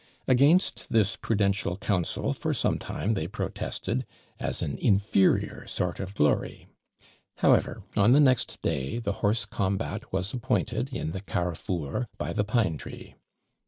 Against this prudential counsel for some time they protested, as an inferior sort of glory. However, on the next day, the horse combat was appointed in the carrefour, by the pine tree.